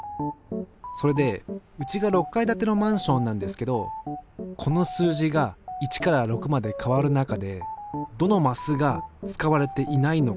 それでうちが６階建てのマンションなんですけどこの数字が１から６まで変わる中でどのマスが使われていないのか？